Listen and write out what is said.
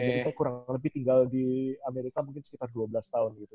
jadi saya kurang lebih tinggal di amerika mungkin sekitar dua belas tahun gitu